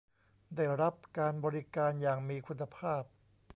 ได้รับการบริการอย่างมีคุณภาพ